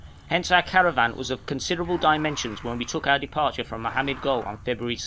Hence our caravan was of considerable dimensions when we took our departure from Mohammed Gol on February 6.